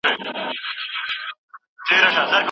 په کابل کي د بهرنیو چارو وزارت مخي ته